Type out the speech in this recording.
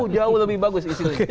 jauh lebih bagus